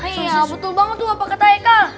iya betul banget tuh apa kata eka